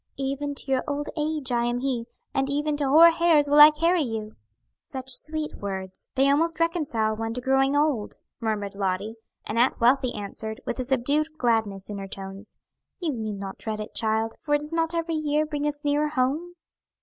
'Even to your old age I am He; and even to hoar hairs will I carry you'!" "Such sweet words! They almost reconcile one to growing old," murmured Lottie, and Aunt Wealthy answered, with a subdued gladness in her tones, "You need not dread it, child, for does not every year bring us nearer home?"